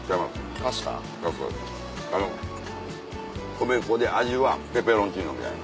米粉で味はペペロンチーノみたい。